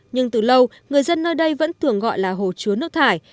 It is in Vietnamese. nhưng từ lâu người dân nơi đây vẫn thường gọi là hồ chứa nước thải